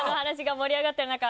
盛り上がってるか。